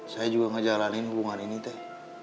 saya juga ngejalanin hubungan ini teh